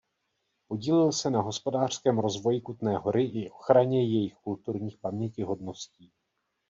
Podílel se na hospodářském rozvoji Kutné Hory i ochraně jejích kulturních pamětihodností.